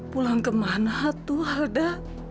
pulang kemana tuh alda